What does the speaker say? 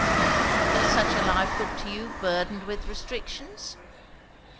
"Does such a life look to you burdened with restrictions?"